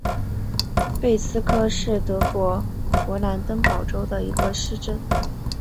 贝斯科是德国勃兰登堡州的一个市镇。